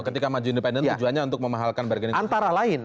ketika maju independen tujuannya untuk memahalkan bergening